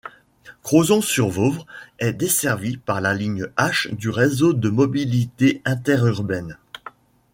Crozon-sur-Vauvre est desservie par la ligne H du Réseau de mobilité interurbaine.